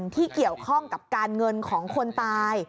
ที่เกี่ยวข้องกับการเงินของคนตาย